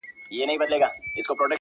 او پر ځای د چڼچڼیو توتکیو -